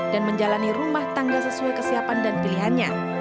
dan menjalani rumah tangga sesuai kesiapan dan pilihannya